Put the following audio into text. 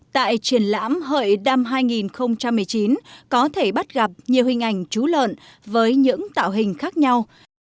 tại triển lãm hợi năm hai nghìn một mươi chín có thể bắt gặp nhiều hình ảnh chú lợn với những tạo hình khác nhau